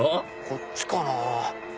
こっちかな？